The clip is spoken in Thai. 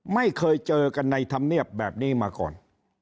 ไม่เคยเจอกันในธรรมเนียบแบบนี้มาก่อน